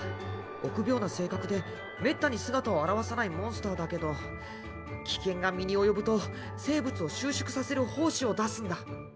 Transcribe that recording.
臆病な性格でめったに姿を現さないモンスターだけど危険が身に及ぶと生物を収縮させる胞子を出すんだ。